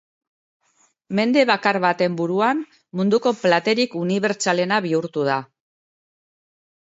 Mende bakar baten buruan munduko platerik unibertsalena bihurtu da.